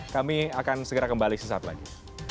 kami akan segera kembali sesaat lagi